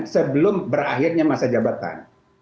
sebelum berakhirnya masa jabatan